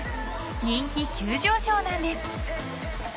人気急上昇なんです。